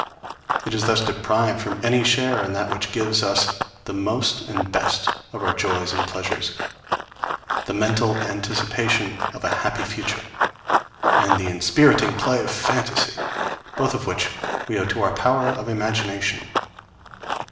It is thus deprived of any share in that which gives us the most and best of our joys and pleasures, the mental anticipation of a happy future, and the inspiriting play of phantasy, both of which we owe to our power of imagination.